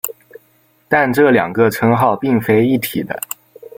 但这两个称号并非一体的。